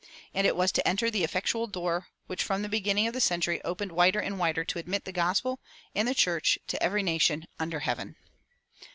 And it was to enter the "effectual door" which from the beginning of the century opened wider and wider to admit the gospel and the church to every nation under heaven.